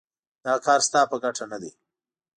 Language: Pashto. دا کار ستا په ګټه نه دی.